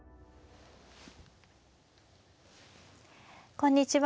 こんにちは。